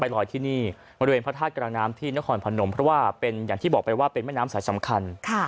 ลอยที่นี่บริเวณพระธาตุกลางน้ำที่นครพนมเพราะว่าเป็นอย่างที่บอกไปว่าเป็นแม่น้ำสายสำคัญ